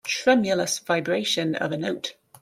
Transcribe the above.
Tremulous vibration of a note.